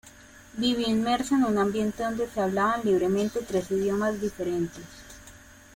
Vivió inmersa en un ambiente donde se hablaban libremente tres idiomas diferentes.